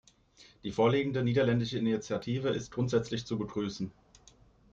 Die vorliegende niederländische Initiative ist grundsätzlich zu begrüßen.